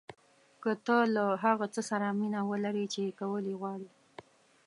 که تۀ له هغه څه سره مینه ولرې چې کول یې غواړې.